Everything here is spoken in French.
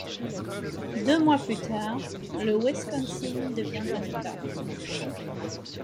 Deux mois plus tard, le Wisconsin devient un État.